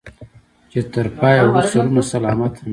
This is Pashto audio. چې تر پايه وړو سرونه سلامت هم